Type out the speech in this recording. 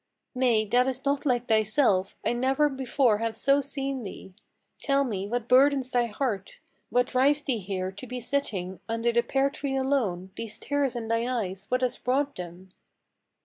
"Nay, that is not like thyself: I never before have so seen thee! Tell me, what burdens thy heart? what drives thee here, to be sitting Under the pear tree alone? These tears in thine eyes, what has brought them?"